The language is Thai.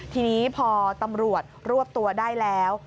ทีนี้พอตำรวจรวบตัวได้แล้ว